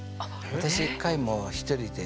私１回も１人で。